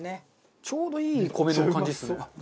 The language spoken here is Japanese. ちょうどいい米の感じですね。